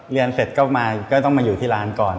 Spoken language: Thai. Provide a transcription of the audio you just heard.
เรียนเสร็จก็มาก็ต้องมาอยู่ที่ร้านก่อน